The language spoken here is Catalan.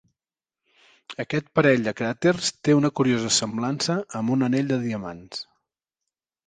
Aquest parell de cràters té una curiosa semblança amb un anell de diamants.